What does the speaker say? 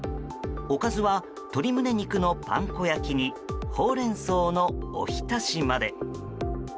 おかずは鶏胸肉のパン粉焼きにほうれん草のおひたしまで。